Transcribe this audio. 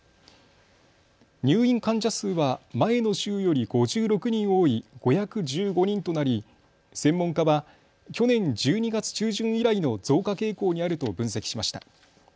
入院患者数は前の週より５６人多い５１５人となり専門家は去年１２月中旬以来の増加傾向にあると分析しました。